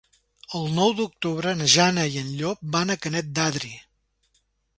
El nou d'octubre na Jana i en Llop van a Canet d'Adri.